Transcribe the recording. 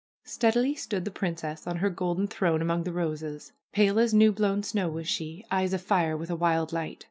Steadily stood the princess on her golden throne among the roses. Pale as new blown snow was she; eyes afire with a wild light.